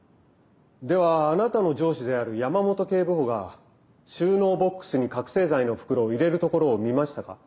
ではあなたの上司である山本警部補が収納ボックスに覚醒剤の袋を入れるところを見ましたか？